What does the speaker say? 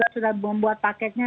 sudah membuat paketnya